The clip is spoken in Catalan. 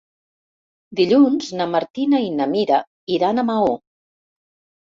Dilluns na Martina i na Mira iran a Maó.